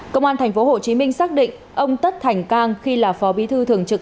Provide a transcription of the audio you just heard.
công an thành phố hồ chí minh xác định ông tất thành can khi là phó bi thư thường trực